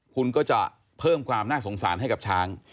คุณก็จะเพิ่มความน่าสงสารให้กับช้าง